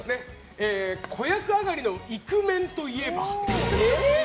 子役上がりのイクメンといえば？